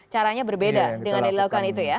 caranya berbeda dengan yang dilakukan itu ya